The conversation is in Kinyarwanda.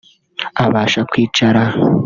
Abasha kwicara